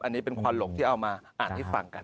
อันนี้เป็นควันหลกที่เอามาอ่านให้ฟังกัน